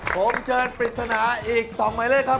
ผมเชิญปริศนาอีก๒หมายเลขครับ